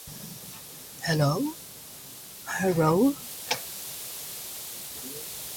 Synthesizers that can combine "n" timbres together are called "n" voice multitimbral.